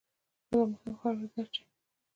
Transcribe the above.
بله مهمه خبره دا ده چې